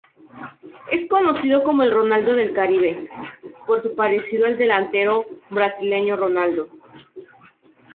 Es conocido como "El Ronaldo del Caribe", por su parecido al delantero brasileño Ronaldo.